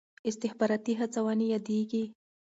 استخباراتي هڅونې یادېږي.